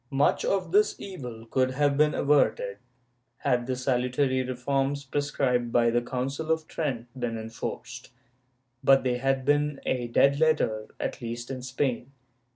^ Much of this evil would have been averted had the salutary reforms prescribed by the Council of Trent been enforced,^ but they had been a dead letter, at least in Spain.